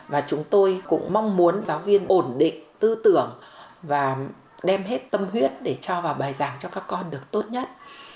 và chúng tôi cũng mong muốn giáo viên ổn định tư tưởng và đem hết tâm huyết để cho vào bài giảng cho các con được tốt nhất